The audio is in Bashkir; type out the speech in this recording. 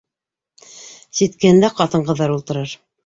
Ситкеһендә ҡатын-ҡыҙҙар ултырыр.